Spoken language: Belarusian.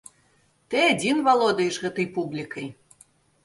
Ты адзін валодаеш гэтай публікай.